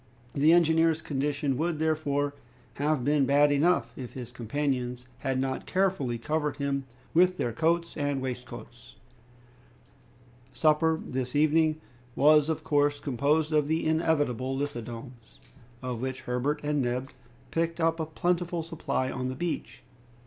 The engineer's condition would, therefore, have been bad enough, if his companions had not carefully covered him with their coats and waistcoats. Supper, this evening, was of course composed of the inevitable lithodomes, of which Herbert and Neb picked up a plentiful supply on the beach.